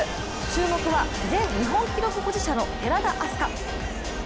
注目は前日本記録保持者の寺田明日香。